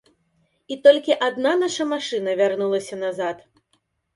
І толькі адна наша машына вярнулася назад.